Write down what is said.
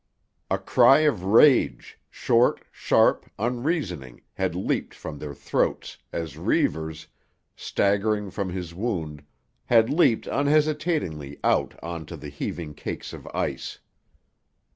A cry of rage, short, sharp, unreasoning, had leaped from their throats as Reivers, staggering from his wound, had leaped unhesitatingly out on to the heaving cakes of ice.